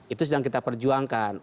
itu sedang kita perjuangkan